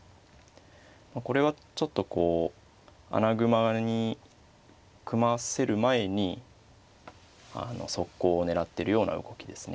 これはちょっとこう穴熊に組ませる前に速攻を狙ってるような動きですね。